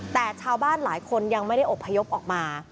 แต่ชาวบ้านหลายคนยังไม่ได้อบพยพออกมา